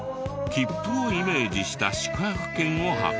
切符をイメージした宿泊券を発行。